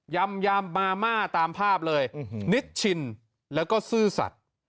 ยำมาม่าตามภาพเลยนิชชินแล้วก็ซื่อสัตว์